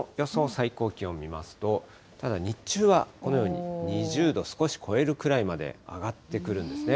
最高気温を見ますと、ただ日中はこのように２０度を少し超えるくらいまで上がってくるんですね。